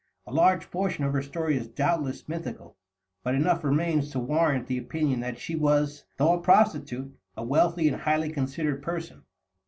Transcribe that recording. A large portion of her story is doubtless mythical, but enough remains to warrant the opinion that she was, though a prostitute, a wealthy and highly considered person.